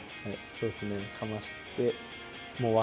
そうっすね。